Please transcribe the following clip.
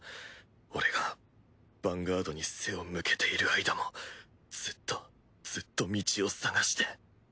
俺がヴァンガードに背を向けている間もずっとずっと道を探して。